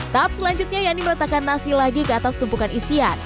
tahap selanjutnya yakni meletakkan nasi lagi ke atas tumpukan isian